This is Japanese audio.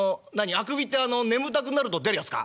あくびってあの眠たくなると出るやつか？」。